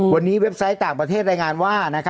วันนี้เว็บไซต์ต่างประเทศรายงานว่า